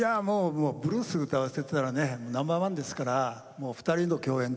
ブルースを歌わせたらナンバー１ですから２人の共演